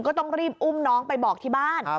ก็ต้องรีบอุ้มน้องไปบอกที่บ้าน